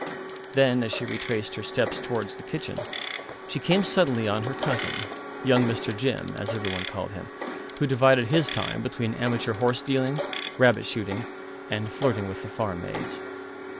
Then, as she retraced her steps towards the kitchen, she came suddenly on her cousin, young Mr. Jim, as every one called him, who divided his time between amateur horse dealing, rabbit shooting, and flirting with the farm maids.